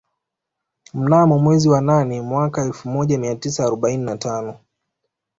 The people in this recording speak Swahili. Mnamo mwezi wa nane mwaka elfu moja mia tisa arobaini na tano